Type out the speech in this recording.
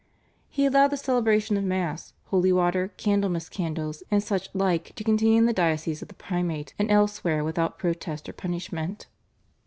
He allowed the celebration of Mass, holy water, Candlemas candles, and such like to continue in the diocese of the Primate and elsewhere without protest or punishment.